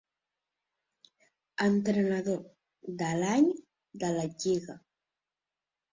Entrenador de l'Any de la Lliga.